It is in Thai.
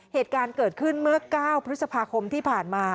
เหตุการณ์เกิดขึ้นเมื่อ๙พฤษภาคมที่ผ่านมา